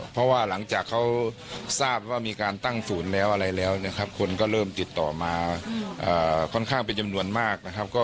เพราะว่าหลังจากเขาทราบว่ามีการตั้งศูนย์แล้วอะไรแล้วนะครับคนก็เริ่มติดต่อมาค่อนข้างเป็นจำนวนมากนะครับ